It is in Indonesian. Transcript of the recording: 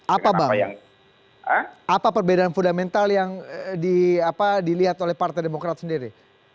apa bang apa perbedaan fundamental yang dilihat oleh partai demokrat sendiri